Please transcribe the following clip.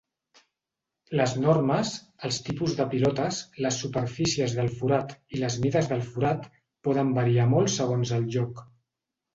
Les normes, els tipus de pilotes, les superfícies del forat i les mides del forat poden variar molt segons el lloc.